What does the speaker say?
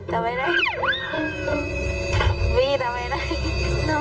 ทำไมนะ